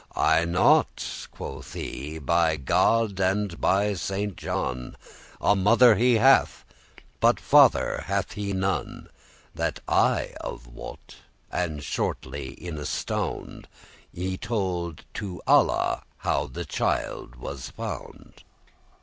"I n'ot,"* quoth he, "by God and by Saint John; *know not A mother he hath, but father hath he none, That I of wot:" and shortly in a stound* *short time <18> He told to Alla how this child was found.